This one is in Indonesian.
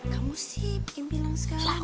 kamu sih bikin bilang segala